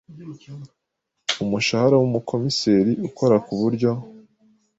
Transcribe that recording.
Umushahara w Umukomiseri ukora ku buryo